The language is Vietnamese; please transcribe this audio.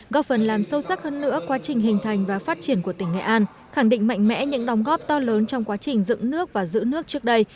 góp phần làm sâu sắc hơn nữa quá trình hình thành và phát triển của tỉnh nghệ an khẳng định mạnh mẽ những đóng góp to lớn trong quá trình dựng nước và giữ nước trước đây